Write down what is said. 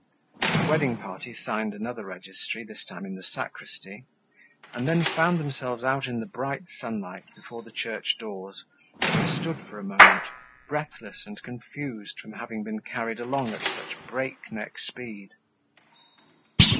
The wedding party signed another registry, this time in the sacristy, and then found themselves out in the bright sunlight before the church doors where they stood for a moment, breathless and confused from having been carried along at such a break neck speed.